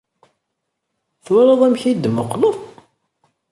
Twalaḍ amek iyi-d-temmuqqleḍ?